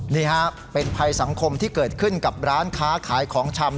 นี่ฮะเป็นภัยสังคมที่เกิดขึ้นกับร้านค้าขายของชำ